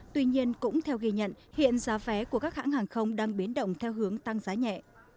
tuy nhiên cũng theo ghi nhận hiện giá vé của các hãng hàng không đang biến động theo hướng tăng giá nhẹ